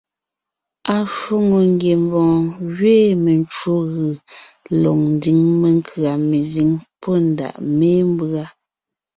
Ashwòŋo ngiembɔɔn gẅiin mencwò gʉ̀ lɔg ńdiŋ menkʉ̀a mezíŋ pɔ́ ndàʼ mémbʉa.